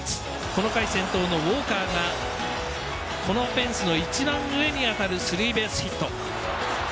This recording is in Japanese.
この回、先頭のウォーカーがフェンスの一番上に当たるスリーベースヒット。